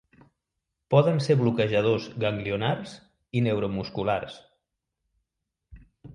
Poden ser bloquejadors ganglionars i neuromusculars.